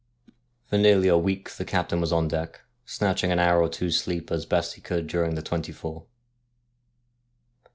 For nearly a week the captain was on deck, snatching an hour or two's sleep as best he could during the twenty four.